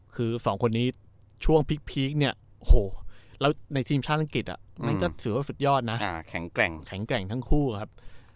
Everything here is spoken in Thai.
คือสองคนนี้ช่วงพีคเนี่ยโอ้โหแล้วในทีมชาติอังกฤษมันก็ถือว่าสุดยอดนะแข็งแกร่งแข็งแกร่งทั้งคู่ครับ